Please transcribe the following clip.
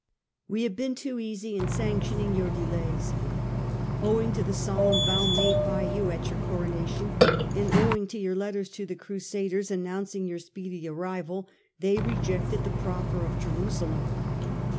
We have been too easy in sanctioning your delays. Owing to the solemn vow made by you at your Coronation, and owing to your letters to the Crusaders announcing your speedy arrival, they rejected the proffer of Jerusalem.